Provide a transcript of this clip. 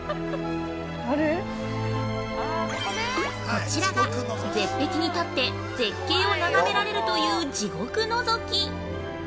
◆こちらが、絶壁に立って、絶景を眺められるという地獄のぞき。